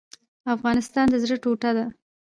افغانستان د زړه ټوټه ده